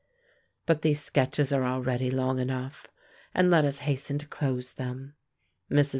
But these sketches are already long enough, and let us hasten to close them. Mrs.